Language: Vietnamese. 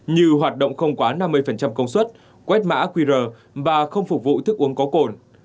như hoạt động không quá năm mươi công suất quét mã qr và không phục vụ thức uống có cồn